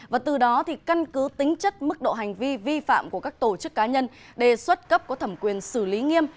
và từ đó căn cứ tính chất mức độ hành vi vi phạm của các tổ chức cá nhân đề xuất cấp có thẩm quyền xử lý nghiêm